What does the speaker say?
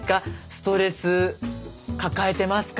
ストレス抱えてますか？